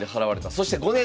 そして５年後。